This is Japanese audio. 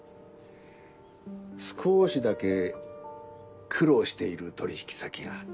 少しだけ苦労している取引先が。